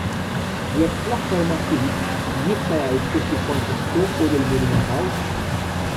Jekk fl-affermattiv, jista' jgħid fiex kienu jikkonsistu u lil min ingħataw?